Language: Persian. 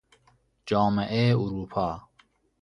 جامعه اروپا